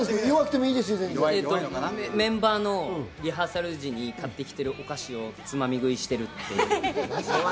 メンバーのリハーサル時に買ってきているお菓子をつまみ食いしているという。